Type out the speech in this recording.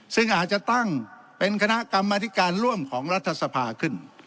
ซึ่งอาจจะตั้งเป็นคณะกรรมธิการร่วมของรัฐสภาขึ้น